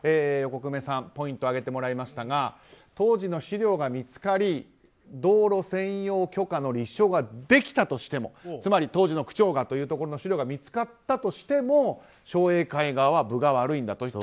横粂さん、ポイントを挙げてもらいましたが当時の資料が見つかり道路占用許可の立証ができたとしても、つまり当時の区長がというところの資料が見つかったとしても商栄会側は分が悪いんだと。